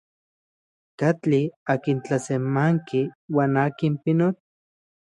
¿Katli akin tlasemanki uan akin pinotl?